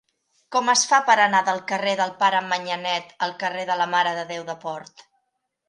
Com es fa per anar del carrer del Pare Manyanet al carrer de la Mare de Déu de Port?